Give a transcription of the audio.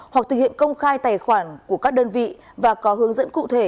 hoặc thực hiện công khai tài khoản của các đơn vị và có hướng dẫn cụ thể